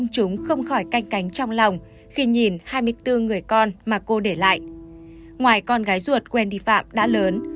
cạnh trong lòng khi nhìn hai mươi bốn người con mà cô để lại ngoài con gái ruột quen đi phạm đã lớn